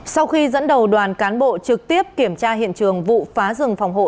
sau khi dẫn đầu đoàn cán bộ trực tiếp kiểm tra hiện trường vụ phá rừng phòng hộ